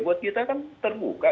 buat kita kan terbuka